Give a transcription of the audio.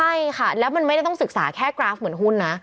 ใช่ค่ะแล้วมันไม่ได้ต้องศึกษาแค่กราฟเหมือนหุ้นนะ